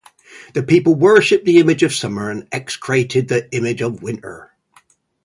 The people worshiped the image of Summer and execrated the image of Winter.